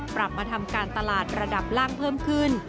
ปรับมาทำการตลาดระดับล่างเพิ่มขึ้น